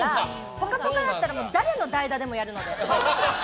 「ぽかぽか」だったら誰の代打でもやるので！